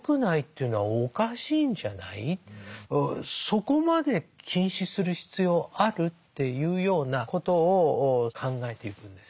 そこまで禁止する必要ある？っていうようなことを考えていくんですよね。